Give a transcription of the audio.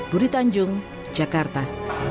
buri tanjung jakarta